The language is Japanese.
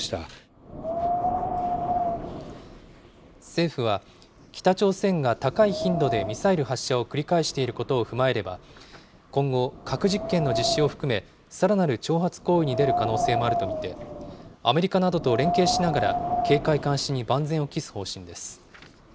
政府は、北朝鮮が高い頻度でミサイル発射を繰り返していることを踏まえれば、今後、核実験の実施を含め、さらなる挑発行為に出る可能性もあると見て、アメリカなどと連携しながら、警戒・監視に万全を期す方針です。